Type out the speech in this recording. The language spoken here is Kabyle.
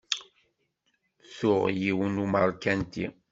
Tuɣ yiwen n Umarikani.